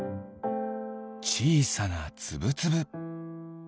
ちいさなつぶつぶ。